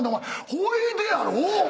「ほいで」やろ。